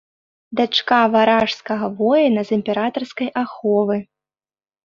Дачка варажскага воіна з імператарскай аховы.